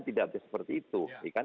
tidak bisa seperti itu